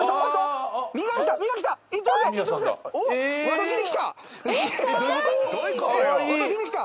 私に来た。